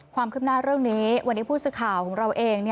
ความคืบหน้าเรื่องนี้วันนี้ผู้สื่อข่าวของเราเอง